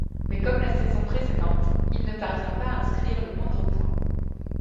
Mais comme la saison précédente, il ne parvient pas à inscrire le moindre point.